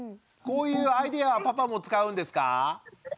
こういうアイデアはパパも使うんですか？